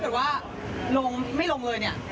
หรือว่าลงไม่ลงเลยเนี่ย